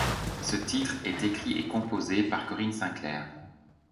Ce titre est écrit et composé par Corinne Sinclair.